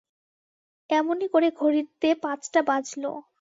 এমনি করে ঘড়িতে পাঁচটা বাজল।